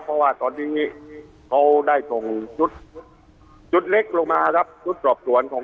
เพราะว่าตอนนี้เขาได้ส่งชุดชุดเล็กลงมาครับชุดสอบสวนของ